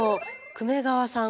久米川さん！